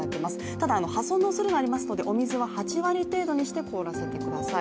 ただ破損のおそれがありますのでお水は８割程度にして凍らせてください。